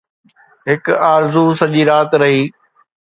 هڪ آرزو سڄي رات رهي